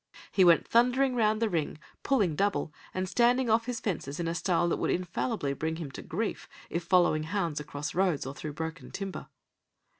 He went thundering round the ring, pulling double, and standing off his fences in a style that would infallibly bring him to grief if following hounds across roads or through broken timber.